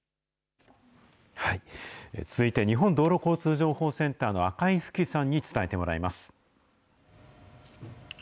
続いて、日本道路交通情報センターの赤井蕗さんに伝えてもらいます。